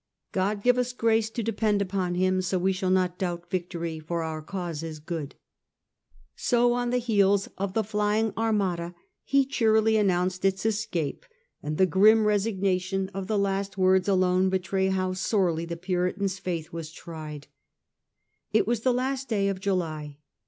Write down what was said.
God give us grace to depend upon Him, so we shall not doubt victory, for our cause is good." So on the heels of the flying Armada he cheerily announced its escape, and the grim resignation of the last words alone betray how sorely the Puritan's faith was tried. It was the last day of July.